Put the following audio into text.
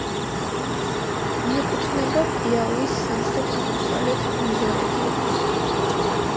მიეკუთვნება პიაუის სამხრეთ-აღმოსავლეთ მეზორეგიონს.